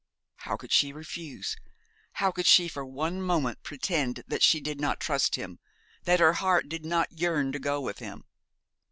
How could she refuse? How could she for one moment pretend that she did not trust him, that her heart did not yearn to go with him.